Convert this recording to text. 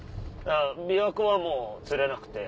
琵琶湖はもう釣れなくて。